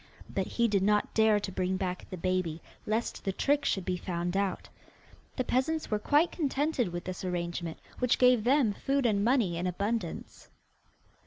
But he did not dare to bring back the baby, lest the trick should be found out. The peasants were quite contented with this arrangement, which gave them food and money in abundance.